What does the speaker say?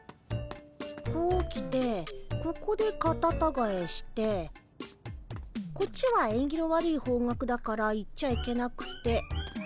こう来てここでカタタガエしてこっちはえんぎの悪い方角だから行っちゃいけなくて。